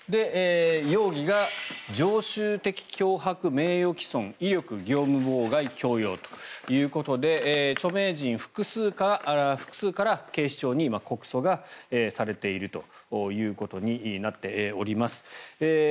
容疑が常習的脅迫、名誉毀損威力業務妨害、強要ということで著名人複数から警視庁に告訴がされているということになっています。